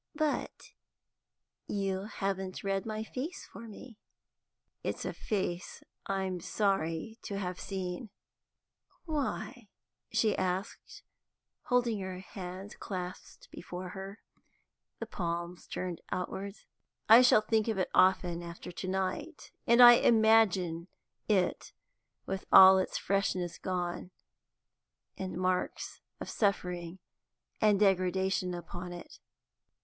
"But you haven't read my face for me." "It's a face I'm sorry to have seen." "Why?" she asked, holding her hands clasped before her, the palms turned outwards. "I shall think of it often after tonight, and imagine it with all its freshness gone, and marks of suffering and degradation upon it."